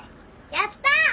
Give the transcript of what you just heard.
やったー！